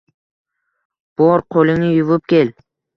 – Bor, qo‘lingni yuvib kel